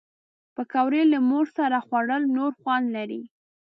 پکورې له مور سره خوړل نور خوند لري